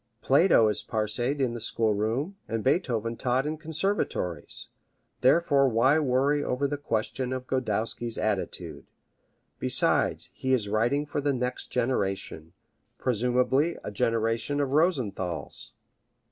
Plato is parsed in the schoolroom, and Beethoven taught in conservatories! Therefore why worry over the question of Godowsky's attitude! Besides, he is writing for the next generation presumably a generation of Rosenthals.